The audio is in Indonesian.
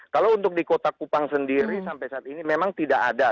kalau untuk di kota kupang sendiri sampai saat ini memang tidak ada